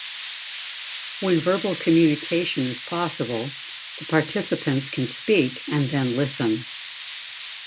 When verbal communication is possible, the participants can speak and then listen.